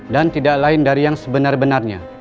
dan tidak lain dari yang sebenar benarnya